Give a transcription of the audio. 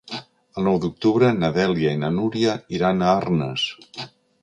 El nou d'octubre na Dèlia i na Núria iran a Arnes.